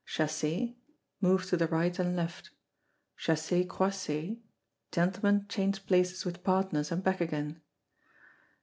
Chassez. Move to the right and left. Chassez croisez. Gentlemen change places with partners, and back again.